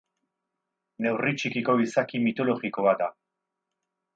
Neurri txikiko izaki mitologikoa da.